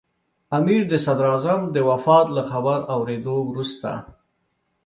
امیر د صدراعظم د وفات له خبر اورېدو وروسته.